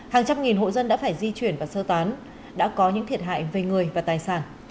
hàng trăm nghìn hộ dân đã phải di chuyển và sơ tán đã có những thiệt hại về người và tài sản